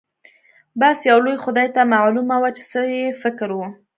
بس يو لوی خدای ته معلومه وه چې څه يې فکر و.